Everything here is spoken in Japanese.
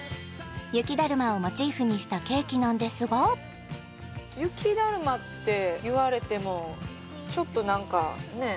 雪だるまをモチーフにしたケーキなんですが雪だるまって言われてもちょっとなんかねえ